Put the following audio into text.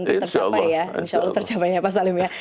insya allah insya allah tercapainya pak salim ya